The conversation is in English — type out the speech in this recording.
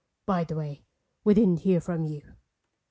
By the way, we didn't hear from you."